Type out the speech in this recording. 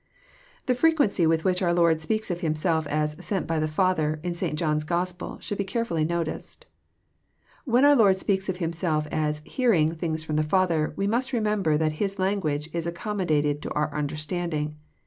The frequency with which onr Lord speaks of Himself as *^ sent by the Father/* in St. John's Gospel, should be carefblly noticed. When ourliord speaks of Himself as "hearing" things ft om the Father, we must remember that His language is accom modated to onr nnderstanding.